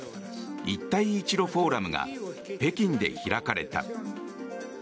一帯一路フォーラムが北京で開かれた。